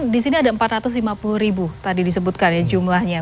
di sini ada empat ratus lima puluh ribu tadi disebutkan ya jumlahnya